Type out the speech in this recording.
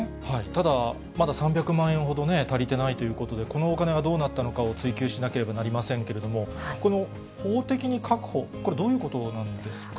ただ、まだ３００万円ほど足りてないということで、このお金はどうなったのかを追及しなければなりませんけれども、この法的に確保、これ、どういうことなんですか？